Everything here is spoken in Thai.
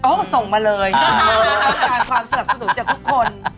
ส่งมาเลยต้องการความสนับสนุนจากทุกคน